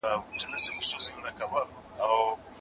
تاسي باید مراقبه وکړئ.